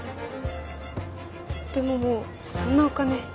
でももうそんなお金。